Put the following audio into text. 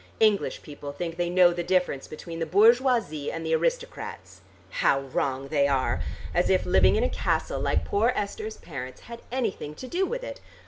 English people think they know the difference between the bourgeoisie and the aristocrats. How wrong they are! As if living in a castle like poor Esther's parents had anything to do with it!